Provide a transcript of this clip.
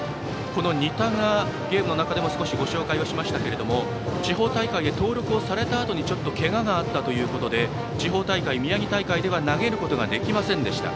この仁田がゲームの中でも少し、ご紹介しましたけれども地方大会で登録されたあとにけががあったということで地方大会、宮城大会では投げることができませんでした。